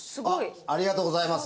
ありがとうございます。